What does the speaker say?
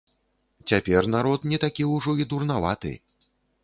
Цяпер народ не такі ўжо і дурнаваты!